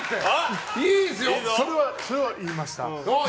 それを言いました。